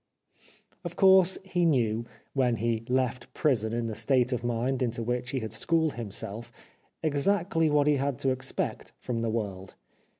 Of course, he knew, when he left prison in the state of mind into which he had schooled him self, exactly what he had to expect from the world.